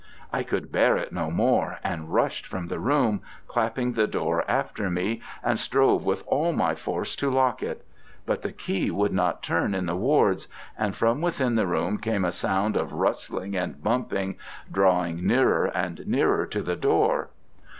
I could bear it no more, and rushed from the room, clapping the door after me, and strove with all my force to lock it. But the key would not turn in the wards, and from within the room came a sound of rustling and bumping, drawing nearer and nearer to the door.